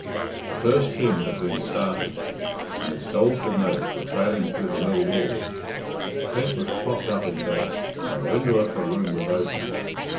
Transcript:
The first hymn had been started, and its doleful notes were trailing through the mill walls. Kate was propped up in bed, and the window of her room was open.